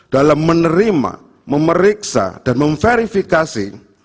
dalam menerima memeriksa dan memverifikasi